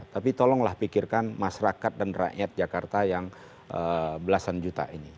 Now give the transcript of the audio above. tapi tolonglah pikirkan masyarakat dan rakyat jakarta yang belasan juta ini